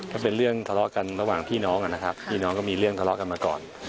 ก็เป็นเรื่องทะเลาะกันระหว่างพี่น้องนะครับพี่น้องก็มีเรื่องทะเลาะกันมาก่อน